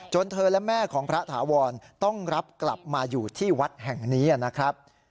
เธอและแม่ของพระถาวรต้องรับกลับมาอยู่ที่วัดแห่งนี้นะครับ